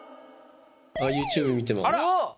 ＹｏｕＴｕｂｅ見てます。